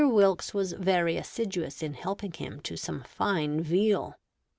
Wilkes was very assiduous in helping him to some fine veal.